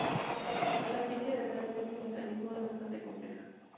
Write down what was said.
La ciencia detrás de este mecanismo es bastante compleja.